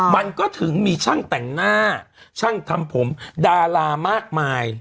มันก็ถึงมีช่างแต่งหน้าช่างทำผมดารามากมาย